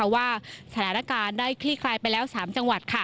ว่าสถานการณ์ได้คลี่คลายไปแล้ว๓จังหวัด